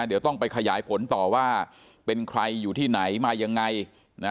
เดี๋ยวต้องไปขยายผลต่อว่าเป็นใครอยู่ที่ไหนมายังไง